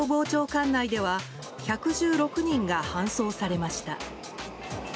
管内では１１６人が搬送されました。